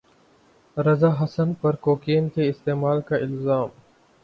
رضا حسن پر کوکین کے استعمال کا الزام